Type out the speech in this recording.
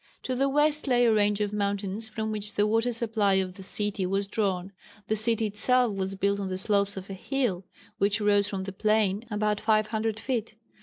To the west lay a range of mountains, from which the water supply of the city was drawn. The city itself was built on the slopes of a hill, which rose from the plain about 500 feet.